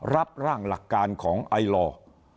รับร่างหลักการของไอลอร์